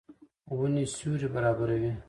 ونې سیوری برابروي.